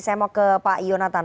saya mau ke pak yonatan